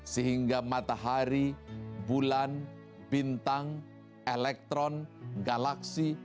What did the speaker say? sehingga matahari bulan bintang elektron galaksi